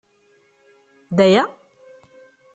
D aya?